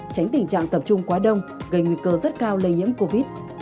tránh tình trạng tập trung quá đông gây nguy cơ rất cao lây nhiễm covid